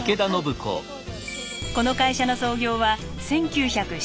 この会社の創業は１９０７年。